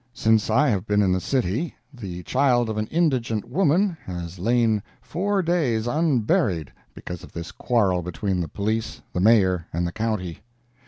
Since I have been in the city, the child of an indigent woman has lain four days unburied because of this quarrel between the police, the Mayor, and the county.